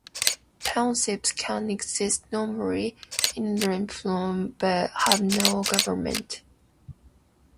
Townships can exist nominally in rump form but have no government.